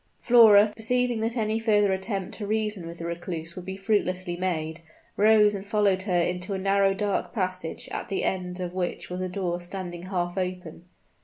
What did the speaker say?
Flora, perceiving that any further attempt to reason with the recluse would be fruitlessly made, rose and followed her into a narrow, dark passage, at the end of which was a door standing half open.